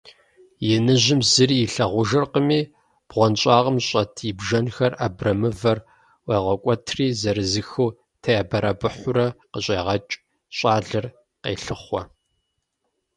Иныжьым зыри илъагъужыркъыми, бгъуэнщӀагъым щӀэт и бжэнхэр абрэмывэр ӀуегъэкӀуэтри зырызыххэу теӏэбэрэбыхьурэ къыщӀегъэкӀ, щӀалэр къелъыхъуэ.